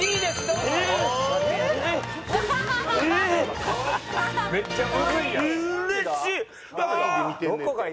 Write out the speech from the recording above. うれしい！